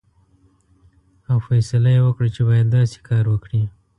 او فیصله یې وکړه چې باید داسې کار وکړي.